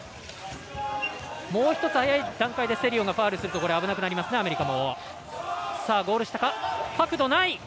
もう１つ早い段階でセリオがファウルすると危なくなりますね、アメリカ。